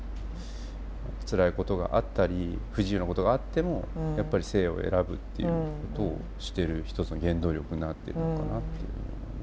つらいことがあったり不自由なことがあってもやっぱり生を選ぶっていうことをしてる一つの原動力になってるのかなって。